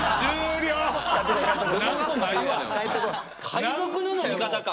海賊の飲み方か！